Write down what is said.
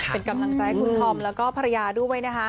เป็นกำลังใจให้คุณธอมแล้วก็ภรรยาด้วยนะคะ